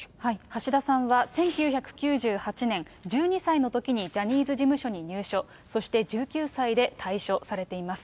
橋田さんは１９９８年、１２歳のときにジャニーズ事務所に入所、そして１９歳で退所されています。